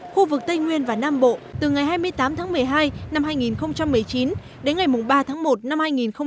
khu vực tây nguyên và nam bộ từ ngày hai mươi tám tháng một mươi hai năm hai nghìn một mươi chín đến ngày ba tháng một năm hai nghìn hai mươi